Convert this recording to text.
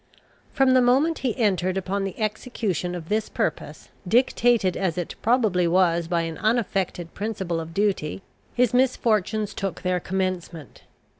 From the moment he entered upon the execution of this purpose, dictated as it probably was by an unaffected principle of duty, his misfortunes took their commencement.